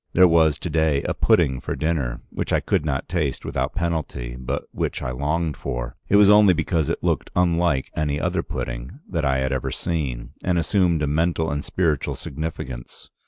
There was to day a pudding for dinner, which I could not taste without penalty, but which I longed for. It was only because it looked unlike any other pudding that I had ever seen, and assumed a mental and spiritual significance.